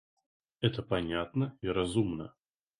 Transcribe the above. Это понятно и разумно.